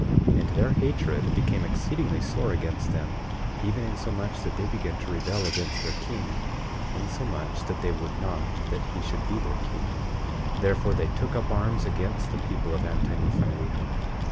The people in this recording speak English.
24:2 And their hatred became exceedingly sore against them, even insomuch that they began to rebel against their king, insomuch that they would not that he should be their king; therefore, they took up arms against the people of Anti Nephi Lehi.